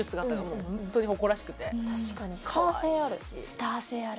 スター性ある。